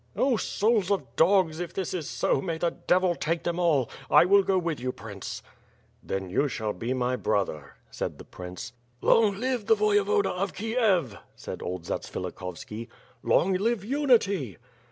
"Oh, souls of dogs, if this is so, may the devil take them all. I will go with you, Prince." "Then you shall be my brother," said the prince. "Long live the Voyevoda of Kiev," said old Zatsvilik hovski. "Long live unity!"